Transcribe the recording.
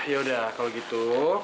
yaudah kalau gitu